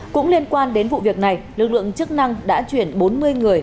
cũng liên quan đến vụ việc này lực lượng chức năng đã chuyển bốn mươi người